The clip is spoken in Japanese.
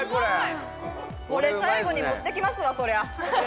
最後に持って来ますわそりゃ！